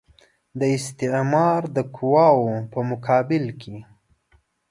د استعمار د قواوو په مقابل کې.